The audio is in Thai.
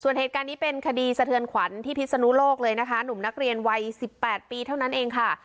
ส่วนเหตุการณ์นี้เป็นคดีสะเทือนขวัญที่พิศนุโลกเลยนะคะหนุ่มนักเรียนวัย๑๘ปีเท่านั้นเองค่ะ